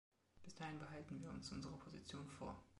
Bis dahin behalten wir uns unsere Position vor.